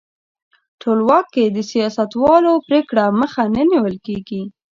ټولواک کې د سیاستوالو د پرېکړو مخه نه نیول کیږي.